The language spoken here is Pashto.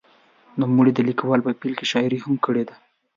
نوموړي د لیکوالۍ په پیل کې شاعري هم کړې ده.